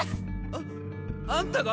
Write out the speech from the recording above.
ああんたが？